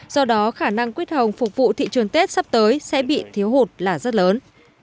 do đó khả năng quyết hồng phục vụ thị trường tết sắp tới sẽ bị thiếu hụt là rất lớn